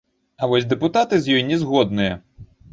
А вось дэпутаты з ёй не згодныя.